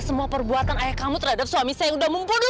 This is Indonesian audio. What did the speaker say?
sampai jumpa di video selanjutnya